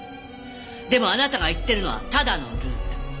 でもあなたが言ってるのはただのルール。